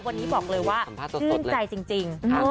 วันนี้บอกเลยว่าชื่นใจจริง